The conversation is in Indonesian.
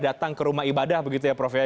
datang ke rumah ibadah begitu ya prof ya